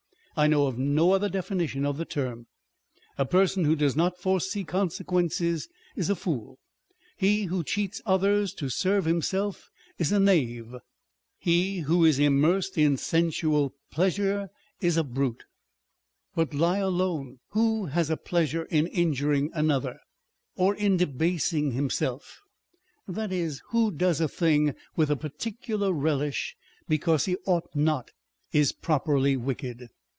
I know of no other definition of the term. A person who does not foresee consequences is a fool : he who cheats others to serve himself is a knave : he who is immersed in sensual pleasure is a brute ; 490 On Depth and Superficiality. but lie alone, who has a pleasure in injuring another, or in debasing himself, that is, who does a thing with a particular relish because he ought not, is properly wicked.